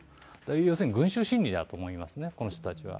要するに群集心理だと思いますね、この人たちは。